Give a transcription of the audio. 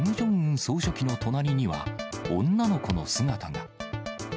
総書記の隣には、女の子の姿が。